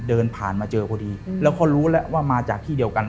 เดินผ่านมาเจอพอดีแล้วเขารู้แล้วว่ามาจากที่เดียวกัน